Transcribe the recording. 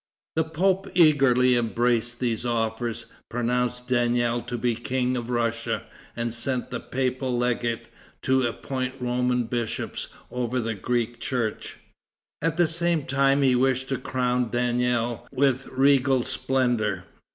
The pope eagerly embraced these offers, pronounced Daniel to be King of Russia, and sent the papal legate to appoint Roman bishops over the Greek church. At the same time he wished to crown Daniel with regal splendor.